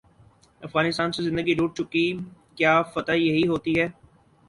افغانستان سے زندگی روٹھ چکی کیا فتح یہی ہو تی ہے؟